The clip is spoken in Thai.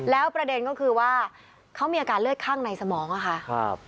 แล้วประเด็นก็คือว่าเขามีอาการเลือดข้างในสมองค่ะ